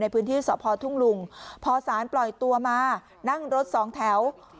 พื้นที่สพทุ่งลุงพอสารปล่อยตัวมานั่งรถสองแถว